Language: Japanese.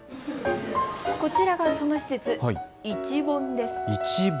こちらがその施設、市本です。